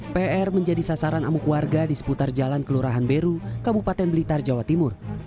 pr menjadi sasaran amuk warga di seputar jalan kelurahan beru kabupaten blitar jawa timur